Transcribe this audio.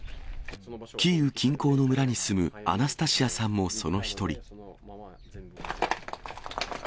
キーウ近郊の村に住むアナスタシアさんもその一人。